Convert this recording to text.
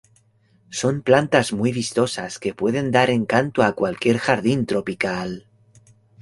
Son plantas muy vistosas que pueden dar encanto a cualquier jardín tropical.